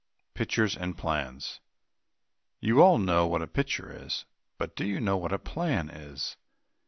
PICTURES AND PLANS. You all know what a picture is. But do you know what a plan is?